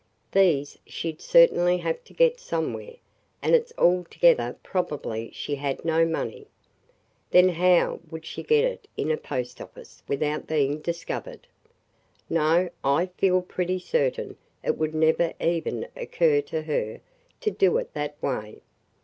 These she 'd certainly have to get somewhere, and it 's altogether probable she had no money. Then how would she get it in a post office without being discovered? No, I feel pretty certain it would never even occur to her to do it that way.